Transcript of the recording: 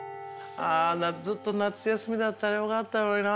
ずっと夏休みだったらよかったのにな。